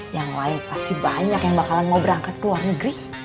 yang lain pasti banyak yang bakalan mau berangkat ke luar negeri